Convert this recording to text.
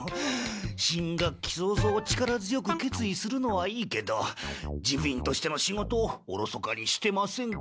新学期早々力強く決意するのはいいけど事務員としての仕事をおろそかにしてませんか？